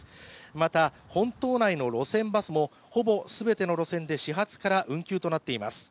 また本島内の路線バスもほぼ全ての路線で運休となっています。